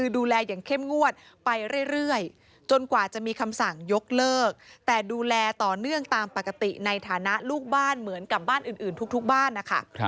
ดูแลอย่างเข้มงวดไปเรื่อยจนกว่าจะมีคำสั่งยกเลิกแต่ดูแลต่อเนื่องตามปกติในฐานะลูกบ้านเหมือนกับบ้านอื่นทุกบ้านนะคะ